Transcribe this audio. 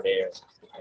alasan pokoknya ialah